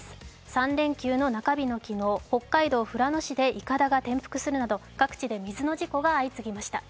３連休の中日の昨日、北海道富良野市でいかだが転覆するなど、各地で水の事故が相次ぎました。